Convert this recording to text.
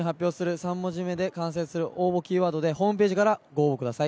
３文字目で完成する応募キーワードでホームページからご応募ください。